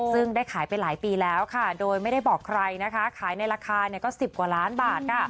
ซึ่งได้ขายไปหลายปีแล้วค่ะโดยไม่ได้บอกใครนะคะขายในราคาก็๑๐กว่าล้านบาทค่ะ